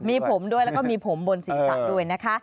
มีผมด้วยแล้วก็มีผมบนศีรษะด้วยนะคะ